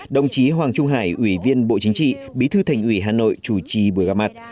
đồng chí hoàng trung hải ủy viên bộ chính trị bí thư thành ủy hà nội chủ trì buổi gặp mặt